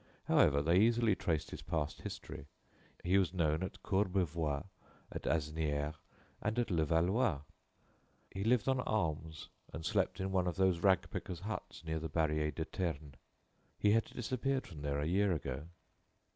However, they easily traced his past history. He was known at Courbevois, at Asnières and at Levallois. He lived on alms and slept in one of those rag picker's huts near the barrier de Ternes. He had disappeared from there a year ago.